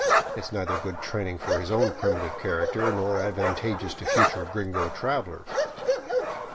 It is neither good training for his own primitive character nor advantageous to future gringo travelers.